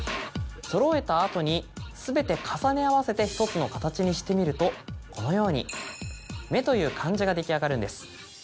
そろえた後に全て重ね合わせて１つの形にしてみるとこのように目という漢字が出来上がるんです。